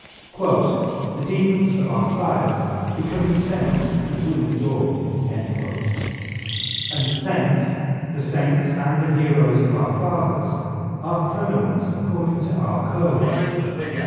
*'The demons of our sires become the saints that we adore," — and the saints, the saints and the heroes of our fathers, are criminals according to our codes.